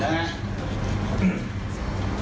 นะครับ